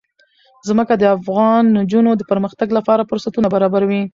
ځمکه د افغان نجونو د پرمختګ لپاره فرصتونه برابروي.